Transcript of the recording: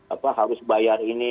apa harus bayar ini